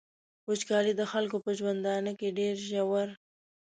وچکالي د خلکو په ژوندانه کي ډیر ژور.